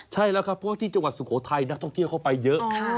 ใช่แล้วครับเพราะว่าที่จังหวัดสุโขทัยนักท่องเที่ยวเข้าไปเยอะ